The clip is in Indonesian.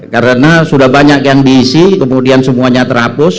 karena sudah banyak yang diisi kemudian semuanya terhapus